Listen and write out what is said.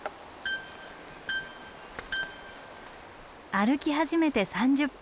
歩き始めて３０分。